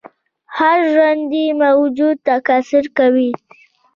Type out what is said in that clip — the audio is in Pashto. هر ژوندی موجود تکثیر کوي